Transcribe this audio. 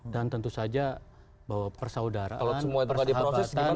dan tentu saja bahwa persaudaraan persahabatan